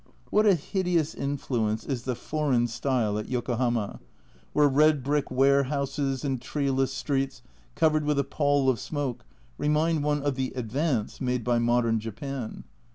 What a hideous influence is the " foreign " style at Yokohama, where red brick warehouses and treeless streets covered with a pall of smoke remind one of the "advance" made by modern Japan.